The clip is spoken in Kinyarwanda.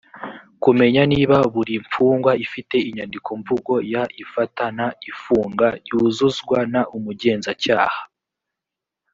kumenya niba buri mfungwa ifite inyandiko mvugo y ifata n ifunga yuzuzwa n umugenzacyaha